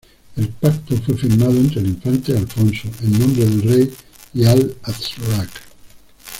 El pacto fue firmado entre el infante Alfonso, en nombre del rey, y Al-Azraq.